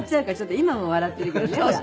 今も笑ってるけどねほら。